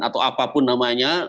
atau apapun namanya